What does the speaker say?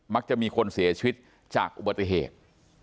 จะมีคนเสียชีวิตจากอุบัติเหตุ